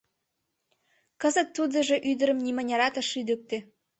Кызыт тудыжо ӱдырым нимынярат ыш лӱдыктӧ.